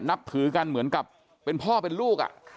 นับถือกันเหมือนกับเป็นพ่อเป็นลูก